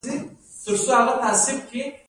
د بند امیر عاید څومره دی؟